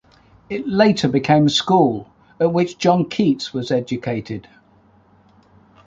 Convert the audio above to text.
It later became a school, at which John Keats was educated.